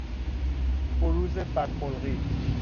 بروز بد خلقی